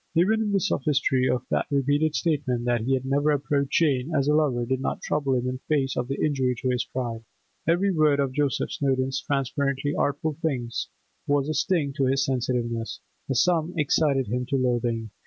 Even the sophistry of that repeated statement that he had never approached Jane as a lover did not trouble him in face of the injury to his pride. Every word of Joseph Snowdon's transparently artful hints was a sting to his sensitiveness; the sum excited him to loathing.